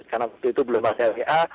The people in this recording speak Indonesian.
karena waktu itu belum ada lga